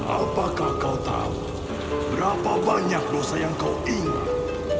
apakah kau tahu berapa banyak dosa yang kau ingin